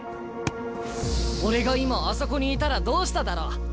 「俺が今あそこにいたらどうしただろう？」。